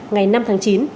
ngày năm tháng chín